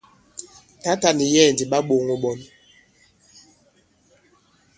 Tǎtà nì yɛ̌ɛ̀ ndi ɓa ɓōŋō ɓɔn.